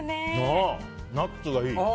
ナッツがいい。